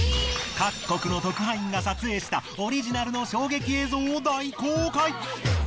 各国の特派員が撮影したオリジナルの衝撃映像を大公開！